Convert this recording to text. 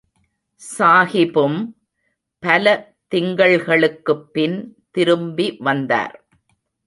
சாகிபும் பல திங்கள்களுக்குப்பின் திரும்பி வந்தார்.